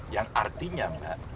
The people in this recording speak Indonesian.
yang artinya mbak